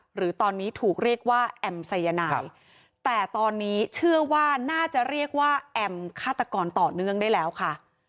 หรือตอนนี้ถูกเรียกว่าแอมสายนายแต่ตอนนี้เชื่อว่าน่าจะเรียกว่าแอมฆาตกรต่อเนื่องได้แล้วค่ะ